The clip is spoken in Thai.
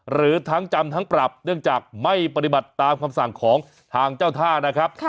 หรือทั้งจำทั้งปรับเนื่องจากไม่ปฏิบัติตามคำสั่งของทางเจ้าท่านะครับ